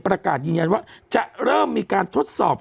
ประกาศจริงอ่ะว่าจะเริ่มมีการทดสอบ